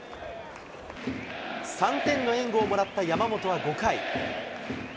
３点の援護をもらった山本は５回。